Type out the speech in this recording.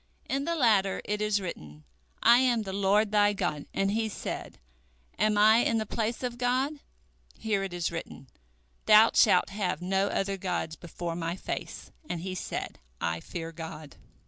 In the latter it is written, I am the Lord thy God, and he said, Am I in the place of God? Here it is written, Thou shalt have no other gods before My face, and he said, I fear God.